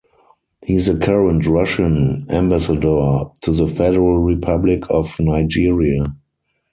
He is the current Russian Ambassador to the Federal Republic of Nigeria.